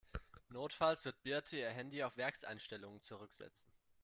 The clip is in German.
Notfalls wird Birte ihr Handy auf Werkseinstellungen zurücksetzen.